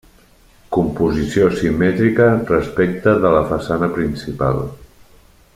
Composició simètrica respecta de la façana principal.